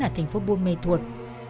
ở thành phố buôn mê thuột